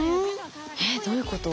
えっどういうこと？